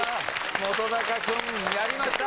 本君やりました！